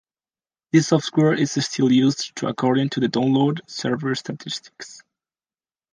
This software is still used according to the download server statistics.